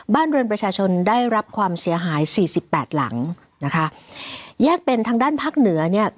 บ้านเรือนประชาชนได้รับความเสียหายสี่สิบแปดหลังนะคะแยกเป็นทางด้านภาคเหนือเนี่ย